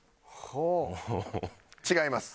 違います。